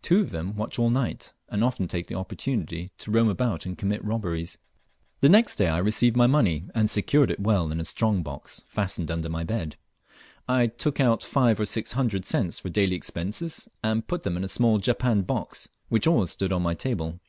Two of them watch all night, and often take the opportunity to roam about and commit robberies. The next day I received my money, and secured it well in a strong box fastened under my bed. I took out five or six hundred cents for daily expenses, and put them in a small japanned box, which always stood upon my table.